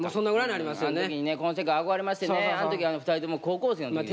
あの時にねこの世界憧れましてねあの時２人とも高校生の時。